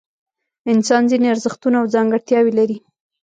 انسان ځینې ارزښتونه او ځانګړتیاوې لري.